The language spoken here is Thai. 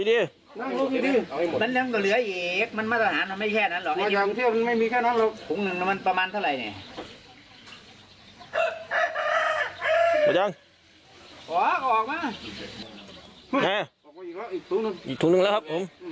อีกตุ๊กหนึ่งอีกตุ๊กหนึ่งแล้วครับ